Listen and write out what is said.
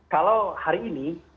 kalau hari ini